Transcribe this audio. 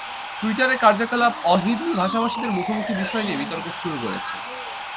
টুইটারের কার্যকলাপ অ-হিন্দি ভাষাভাষীদের মুখোমুখি বিষয় নিয়ে বিতর্ক শুরু করেছে।